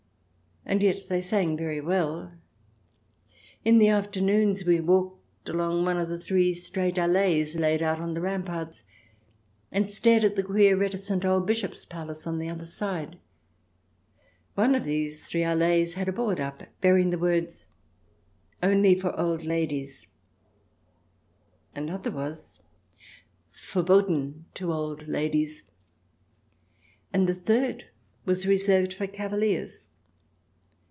And yet they sang very well. In the afternoons we walked along one of the three straight allees laid out on the ramparts and stared at the queer, reticent old Bishop's palace on the other side. 268 THE DESIRABLE ALIEN [ch. xix One of these three allees had a board up bearing the words :" Only for Old Ladies "; another was " Verboten to Old Ladies "; the third was reserved for Cavaliers.